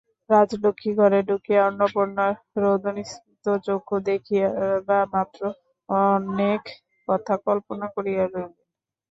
রাজলক্ষ্মী ঘরে ঢুকিয়া অন্নপূর্ণার রোদনস্ফীত চক্ষু দেখিবামাত্র অনেক কথা কল্পনা করিয়া লইলেন।